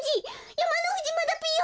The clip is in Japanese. やまのふじまだぴよ！